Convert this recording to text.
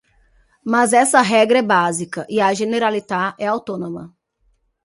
Mas essa regra é básica e a Generalitat é autônoma.